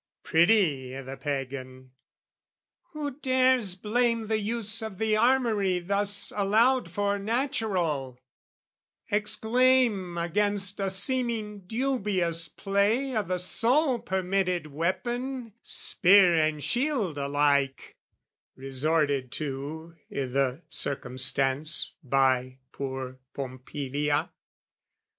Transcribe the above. Pretty i' the Pagan! Who dares blame the use Of the armoury thus allowed for natural, Exclaim against a seeming dubious play O' the sole permitted weapon, spear and shield Alike, resorted to i' the circumstance By poor Pompilia?